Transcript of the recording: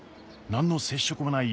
何の接触もない